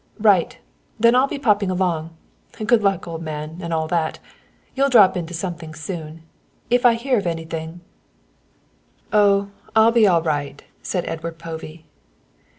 "Right, then I'll be popping along good luck, old man, and all that. You'll drop into something soon. If I hear of anything " "Oh, I'll be all right," said Edward Povey.